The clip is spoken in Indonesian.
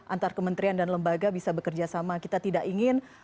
antar kementerian dan lembaga bisa bekerjasama kita tidak ingin